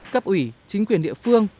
cấp ủy chính quyền địa phương